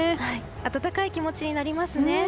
温かい気持ちになりますね。